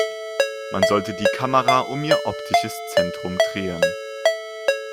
Man sollte die Kamera um ihr optisches Zentrum drehen.